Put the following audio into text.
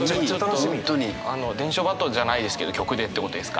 伝書ばとじゃないですけど曲でってことですから。